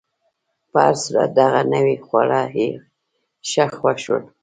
په هر صورت، دغه نوي خواړه یې ښه خوښ شول.